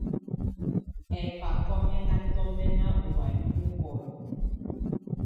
Ɛ́bákɔ́ yɛ́ ná tɔmbɛ́na ú wayɛ̀á mɔkɔlɔ.